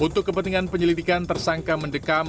untuk kepentingan penyelidikan tersangka mendekam